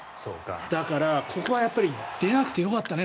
だから、ここは出なくてよかったね